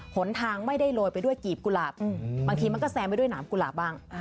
หนทางไม่ได้โรยไปด้วยกีบกุหลาบบางทีมันก็แซงไปด้วยหนามกุหลาบบ้าง